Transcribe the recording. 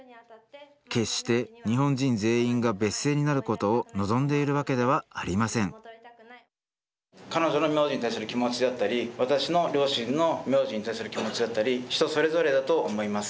決して日本人全員が別姓になることを望んでいるわけではありません彼女の名字に対する気持ちであったり私の両親の名字に対する気持ちであったり人それぞれだと思います。